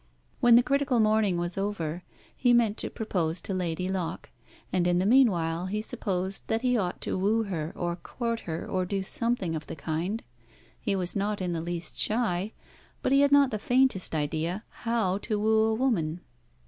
When the critical morning was over he meant to propose to Lady Locke, and in the meanwhile he supposed that he ought to woo her, or court her, or do something of the kind. He was not in the least shy, but he had not the faintest idea how to woo a woman.